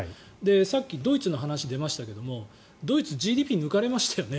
さっきドイツの話が出ましたがドイツにＧＤＰ抜かれましたね。